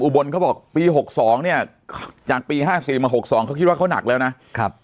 บลเขาบอกปี๖๒เนี่ยจากปี๕๔มา๖๒เขาคิดว่าเขาหนักแล้วนะครับ